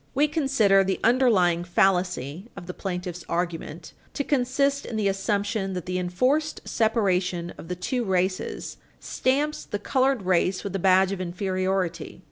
We consider the underlying fallacy of the plaintiff's argument to consist in the assumption that the enforced separation of the two races stamps the colored race with a badge of inferiority.